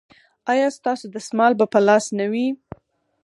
ایا ستاسو دستمال به په لاس نه وي؟